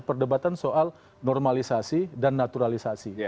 perdebatan soal normalisasi dan naturalisasi